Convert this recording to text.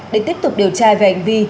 để tiếp tục điều tra về ảnh vi